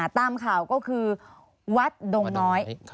ตามข่าวก็คือวัดดงน้อย